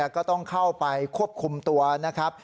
ก็ต้องเข้าไปควบคุมตัวนะครับ